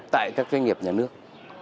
tại các doanh nghiệp nhà nước